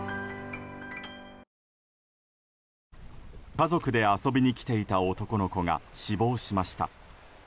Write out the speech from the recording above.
家族で遊びに来ていた男の子が死亡しました。